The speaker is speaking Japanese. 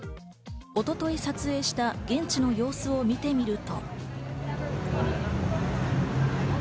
一昨日撮影した現地の様子を見てみると。